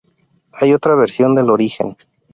Hay otra versión del origen.